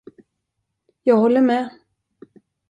Jag håller med.